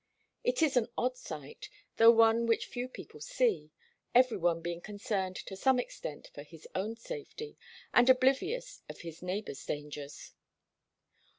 It is an odd sight, though one which few people see, every one being concerned to some extent for his own safety, and oblivious of his neighbour's dangers.